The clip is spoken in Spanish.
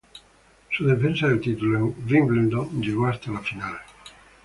Su defensa del título en Wimbledon llegó hasta la final.